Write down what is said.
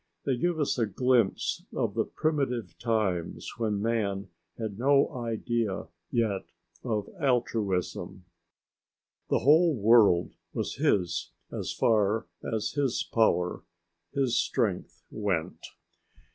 They give us a glimpse of the primitive times when man had no idea yet of altruism. The whole world was his as far as his power, his strength, went.